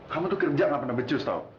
kamu tuh kerja gak pernah becus tau